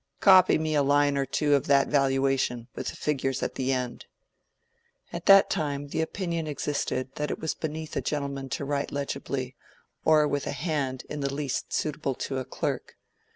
"Copy me a line or two of that valuation, with the figures at the end." At that time the opinion existed that it was beneath a gentleman to write legibly, or with a hand in the least suitable to a clerk.